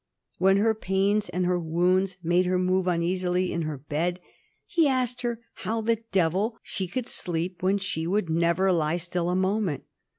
When her pains and her wounds made her move uneasily in her bed, he asked her how the devil she could sleep when she would never lie still a moment.